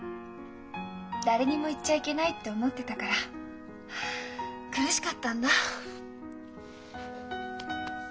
誰にも言っちゃいけないって思ってたから苦しかったんだ。